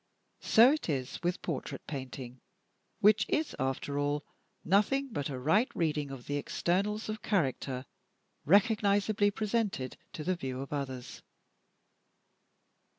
So it is with portrait painting, which is, after all, nothing but a right reading of the externals of character recognizably presented to the view of others.